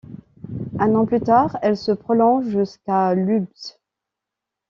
Un an plus tard, elle se prolonge jusqu'à Lübz.